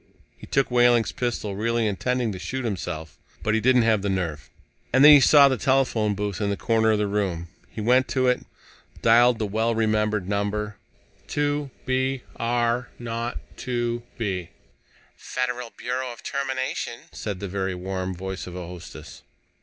He took Wehling's pistol, really intending to shoot himself. But he didn't have the nerve. And then he saw the telephone booth in the corner of the room. He went to it, dialed the well remembered number: "2 B R 0 2 B." "Federal Bureau of Termination," said the very warm voice of a hostess.